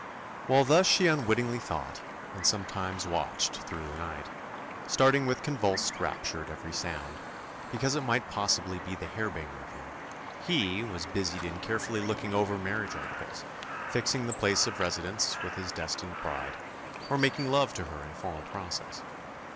While thus she unwittingly thought, and sometimes watched through the night, starting with convulsed rapture at every sound, because it might possibly be the harbinger of him, he was busied in carefully looking over marriage articles, fixing the place of residence with his destined bride, or making love to her in formal process.